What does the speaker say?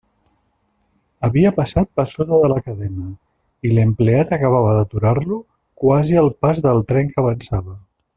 Havia passat per sota de la cadena, i l'empleat acabava d'aturar-lo quasi al pas del tren que avançava.